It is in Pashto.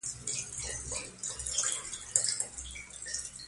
د ریګ دښتې د افغانستان د اقلیمي نظام ښکارندوی ده.